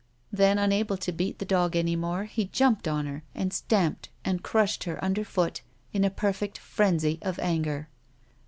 Then, unable to beat the dog any longer, he jumped on her, and stamped and crushed her under foot in a perfect frenzy of anger.